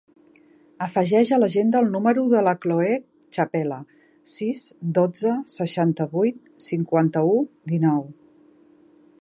Afegeix a l'agenda el número de la Chloé Chapela: sis, dotze, seixanta-vuit, cinquanta-u, dinou.